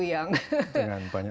oh iya dengan banyak sekali